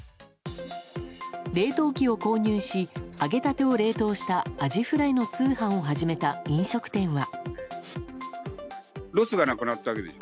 冷凍機を購入し揚げたてを冷凍したアジフライの通販を始めた飲食店は。